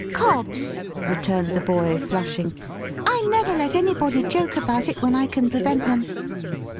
"Cobbs," returned the boy, flushing, "I never let anybody joke about it, when I can prevent them."